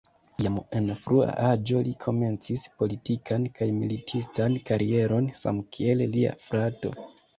Jam en frua aĝo li komencis politikan kaj militistan karieron samkiel lia frato.